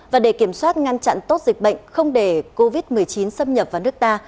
và để kiểm soát ngăn chặn tốt dịch bệnh không để covid một mươi chín xâm nhập vào nước ta